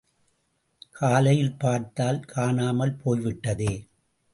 காலையில் பார்த்தால் காணாமல் போய் விட்டதே!